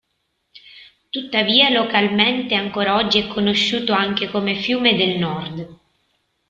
Tuttavia, localmente, ancora oggi è conosciuto anche come "Fiume del Nord".